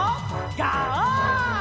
ガオー！